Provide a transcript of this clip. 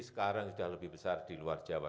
sekarang sudah lebih besar di luar jawa